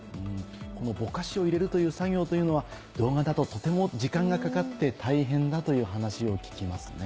このぼかしを入れる作業というのは動画だととても時間がかかって大変だという話を聞きますね。